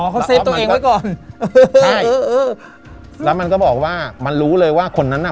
อ๋อเขาเซฟตัวเองไว้ก่อนใช่แล้วมันก็บอกว่ามันรู้เลยว่าคนนั้นอ่ะ